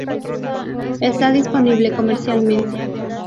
Está disponible comercialmente.